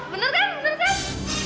bener kan bener kan